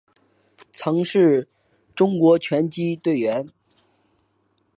曾是中国拳击队员。